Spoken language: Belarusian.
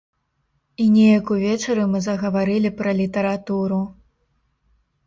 І неяк увечары мы загаварылі пра літаратуру.